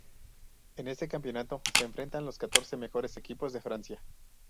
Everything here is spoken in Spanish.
En este campeonato se enfrentan los catorce mejores equipos de Francia.